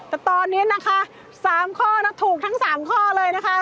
แต่ตอนนี้นะคะ๓ข้อถูกทั้ง๓ข้อเลยนะคะ